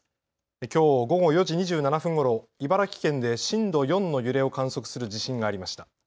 きょう午後４時２７分ごろ茨城県で震度４の揺れを観測する地震がありました。